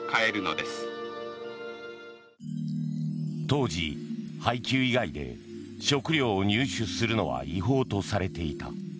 当時、配給以外で食料を入手するのは違法とされていた。